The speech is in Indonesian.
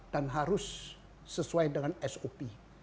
dan harus sesuai dengan sop